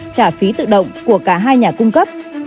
trả phí tự động của cả hai nhà cung cấp